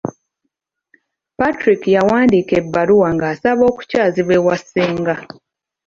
Patrick yawandiika ebbaluwa ng'asaba okukyazibwa ewa ssenga.